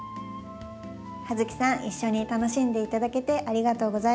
ハヅキさん一緒に楽しんでいただけてありがとうございます。